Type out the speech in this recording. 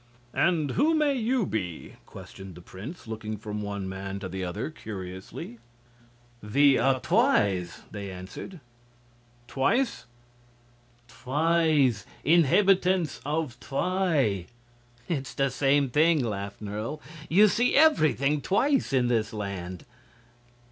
"And who may you be?" questioned the prince, looking from one man to the other, curiously. "We are Twis," they answered. "Twice?" "Twis inhabitants of Twi." "It's the same thing," laughed Nerle. "You see everything twice in this land."